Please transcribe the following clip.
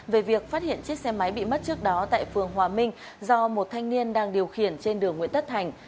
về việc phát hiện chiếc xe máy bị mất trước đó tại phường hòa minh do một thanh niên đang điều khiển trên đường nguyễn tất thành